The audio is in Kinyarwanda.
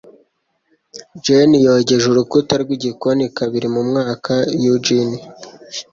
Jenny yogeje urukuta rwigikoni kabiri mu mwaka. (yujin)